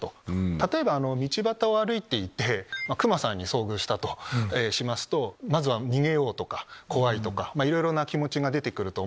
例えば道端を歩いていてクマさんに遭遇したとしますとまずは逃げよう！とか怖いとかいろいろな気持ちが出てくる。